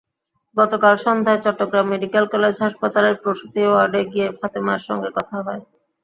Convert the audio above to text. গতকাল সন্ধ্যায় Chittagong medical college হাসপাতালের প্রসূতি ওয়ার্ডে গিয়ে ফাতেমার সঙ্গে কথা হয়।